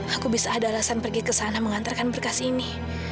aku bisa ada alasan pergi ke sana mengantarkan berkas ini